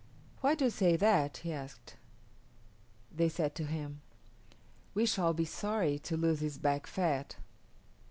"Why do you say that?" he asked. They said to him, "We shall be sorry to lose this back fat."